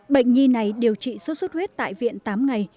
bệnh nhi này điều trị sốt xuất huyết tại viện tám ngày